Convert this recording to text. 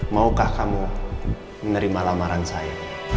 maukah kamu menerima lamaran saya